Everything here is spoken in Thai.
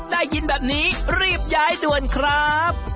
ได้ยินแบบนี้รีบย้ายด่วนครับ